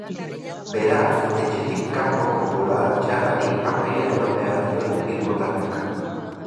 Beraz, etxetik kanpoko bolada txarrari amaiera eman behar diote bilbotarrek.